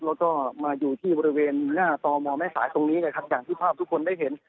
แล้วก็มาอยู่ที่บริเวณหน้าตมแม่สายตรงนี้นะครับอย่างที่ภาพทุกคนได้เห็น